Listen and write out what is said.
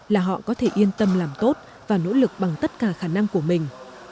là họ có thể yên tâm làm tốt và nỗ lực bằng tất cả khả năng của mình